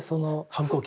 反抗期？